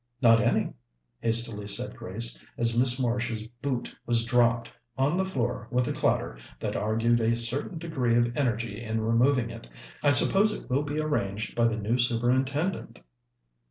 "Not any," hastily said Grace, as Miss Marsh's boot was dropped on the floor with a clatter that argued a certain degree of energy in removing it. "I suppose it will be arranged by the new Superintendent."